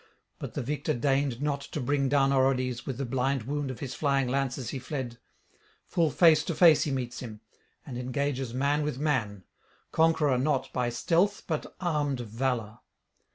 But the victor deigned not to bring down Orodes with the blind wound of his flying lance as he fled; full face to face he meets him, and engages man with man, conqueror not by stealth but armed valour.